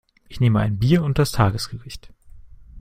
Ich nehme ein Bier und das Tagesgericht.